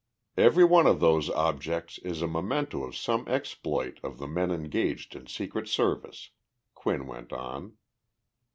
"Every one of those objects is a memento of some exploit of the men engaged in Secret Service," Quinn went on.